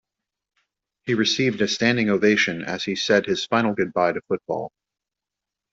He received a standing ovation as he said his final goodbye to football.